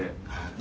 何！？